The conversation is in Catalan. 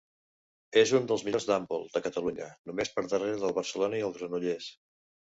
És un dels millors d'handbol de Catalunya, només per darrere del Barcelona i el Granollers.